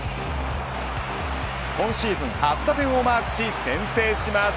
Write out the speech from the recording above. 今シーズン初打点をマークし先制します。